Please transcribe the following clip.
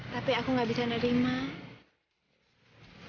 tapi aku nggak bisa nerima